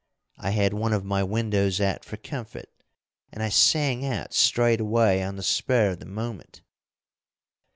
I had one of my windows out for comfort, and I sang out straight away on the spur of the moment.